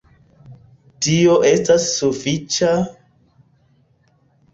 Tio estas sufiĉa...